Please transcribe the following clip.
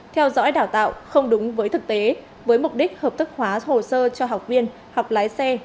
theo dõi đào tạo không đúng với thực tế với mục đích hợp thức hóa hồ sơ cho học viên học lái xe